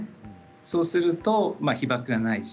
そうすると被ばくはないですし。